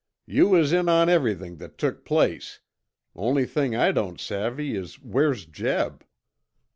You was in on everything that took place. Only thing I don't savvy is where's Jeb?"